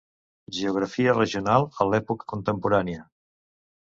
Geografia Regional a l'època contemporània.